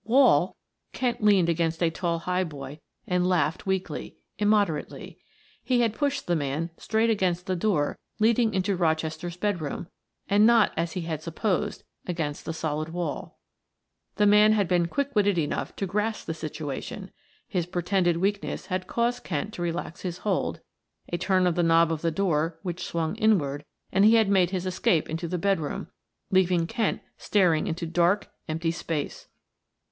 Wall ! Kent leaned against a tall highboy and laughed weakly, immoderately. He had pushed the man straight against the door leading into Rochester's bedroom, and not, as he had supposed, against the solid wall. The man had been quick witted enough to grasp the situation; his pretended weakness had caused Kent to relax his hold, a turn of the knob of the door, which swung inward, and he had made his escape into the bedroom, leaving Kent staring into dark, empty space.